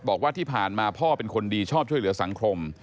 บอกว่าที่ผ่านมาพ่อเป็นคนดีชอบช่วยเหลือสังคม